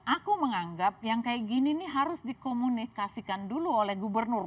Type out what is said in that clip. aku menganggap yang kayak gini nih harus dikomunikasikan dulu oleh gubernur